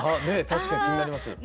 確かに気になります。